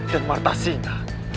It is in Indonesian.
dan marta sina